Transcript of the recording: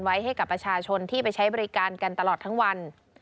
ไว้ให้กับประชาชนที่ไปใช้บริการกันตลอดทั้งวัน